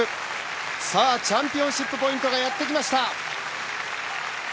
チャンピオンシップポイントがやってきました。